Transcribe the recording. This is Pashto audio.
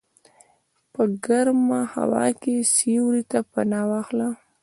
په ګرمه هوا کې سیوري ته پناه واخله.